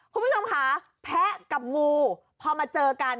คุณผู้ชมค่ะแพะกับงูพอมาเจอกัน